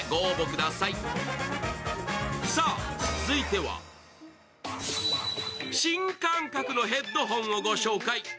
続いては、新感覚のヘッドホンをご紹介。